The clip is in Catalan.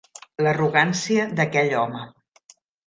L'arrogància d'aquell home.